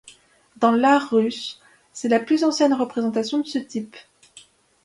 Dans l'art russe c'est la plus ancienne représentation de ce type.